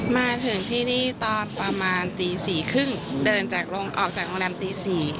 มาถึงที่นี่ตอนประมาณตี๔๓๐เดินจากออกจากโรงแรมตี๔